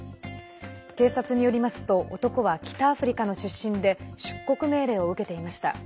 警察によりますと男は北アフリカの出身で出国命令を受けていました。